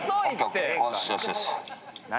何？